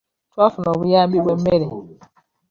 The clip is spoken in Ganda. Twafuna obuyambi bw'emmere.